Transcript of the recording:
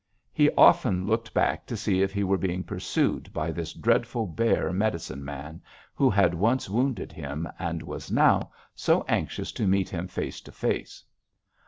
He often looked back to see if he were being pursued by this dreadful bear medicine man who had once wounded him, and was now so anxious to meet him face to face.